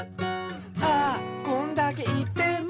「ああこんだけ言っても」